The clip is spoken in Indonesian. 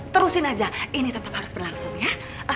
terusin aja ini tetap harus berlangsung ya